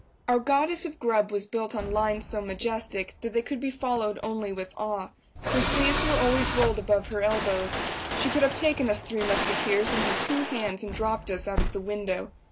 Our Goddess of Grub was built on lines so majestic that they could be followed only with awe. Her sleeves were always rolled above her elbows. She could have taken us three musketeers in her two hands and dropped us out of the window.